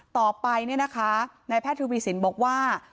ต่อไปในแพทย์ธุปีศิลป์บอกว่า